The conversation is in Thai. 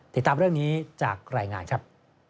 ติดตามเรื่องนี้จากรายงานครับ